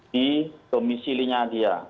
di komisilinya dia